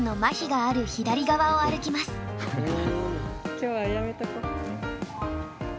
今日はやめとこ。